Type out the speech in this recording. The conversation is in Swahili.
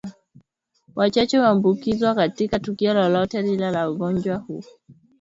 wachache huambukizwa katika tukio lolote lile la ugonjwa huu